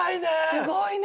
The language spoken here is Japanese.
すごいね！